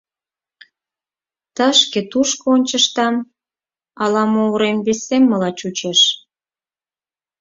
Тышке-тушко ончыштам — ала-мо урем весеммыла чучеш.